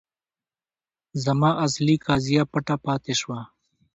زما اصلي قضیه پټه پاتې شوه.